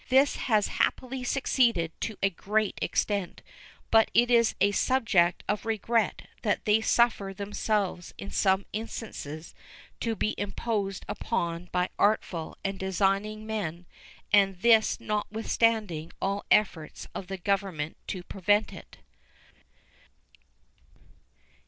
This has happily succeeded to a great extent, but it is a subject of regret that they suffer themselves in some instances to be imposed upon by artful and designing men and this notwithstanding all efforts of the Government to prevent it.